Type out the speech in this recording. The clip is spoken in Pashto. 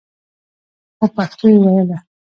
خو پښتو يې ويله.